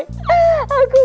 aku gak kuat